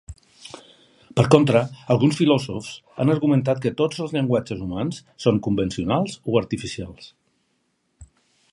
Per contra, alguns filòsofs han argumentat que tots els llenguatges humans són convencionals o artificials.